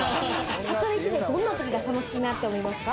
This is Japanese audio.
どんなときが楽しいなって思いますか？